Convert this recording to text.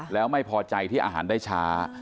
แล้วไม่พอใจที่อาหารได้ช้า